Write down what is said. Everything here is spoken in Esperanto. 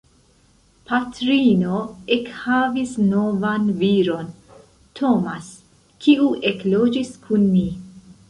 Patrino ekhavis novan viron, Tomas, kiu ekloĝis kun ni.